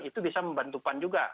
itu bisa membantu pan juga